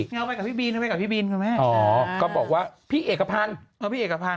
อ้ายังไงออกไปกับพี่บิ้นก็บอกว่าพี่เอกพันด์